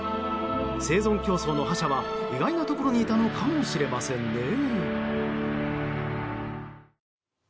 生存競争の覇者は意外なところにいたのかもしれませんね。